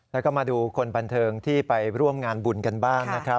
แล้วก็มาดูคนบันเทิงที่ไปร่วมงานบุญกันบ้างนะครับ